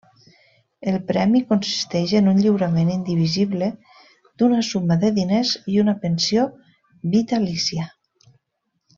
El premi consisteix en un lliurament indivisible d'una suma de diners i una pensió vitalícia.